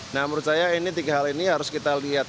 nah menurut saya ini tiga hal ini harus kita lihat